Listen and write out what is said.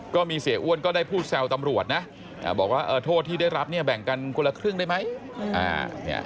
ก็มีเสียอ้วนก็ได้พูดแซวตำรวจนะบอกว่าโทษที่ได้รับเนี่ยแบ่งกันคนละครึ่งได้ไหม